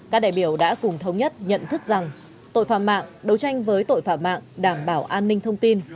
các đại biểu đã cùng thống nhất nhận thức rằng tội phạm mạng đấu tranh với tội phạm mạng đảm bảo an ninh thông tin